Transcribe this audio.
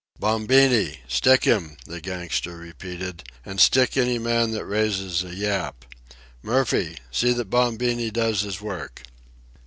"Bombini!—stick him," the gangster repeated. "And stick any man that raises a yap. Murphy! See that Bombini does his work."